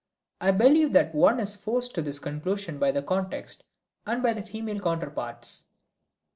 I believe that one is forced to this conclusion by the context and by the female counterparts.